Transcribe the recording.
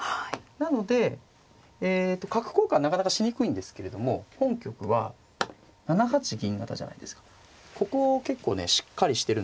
なのでえっと角交換なかなかしにくいんですけれども本局は７八銀型じゃないですか。ここを結構ねしっかりしてるんですよ。